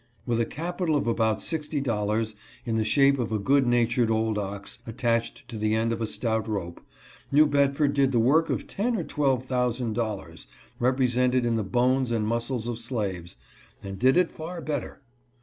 With a capital of about sixty dollars in the shape of a good natured old ox attached to the end of a stout rope, New Bedford did the work of ten or twelve thousand dol lars, represented in the bones and muscles of slaves, and did it far better.